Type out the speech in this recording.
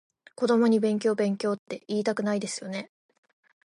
子供に勉強勉強っていいたくないですよね？